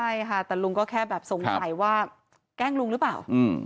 ใช่ค่ะแต่ลุงก็แค่แบบสงสัยว่าแกล้งลุงหรือเปล่า